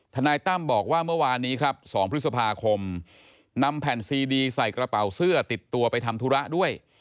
นายตั้มบอกว่าเมื่อวานนี้ครับ๒พฤษภาคมนำแผ่นซีดีใส่กระเป๋าเสื้อติดตัวไปทำธุระด้วย